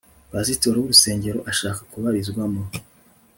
pasitori w urusengero ashaka kubarizwamo